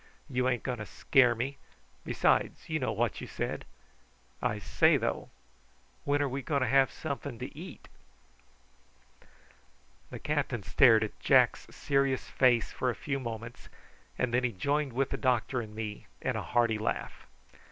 "You ain't going to scare me; and, besides, you know what you said. I say, though, when are we going to have something to eat?" The captain stared at Jack's serious face for a few moments, and then he joined with the doctor and me in a hearty laugh.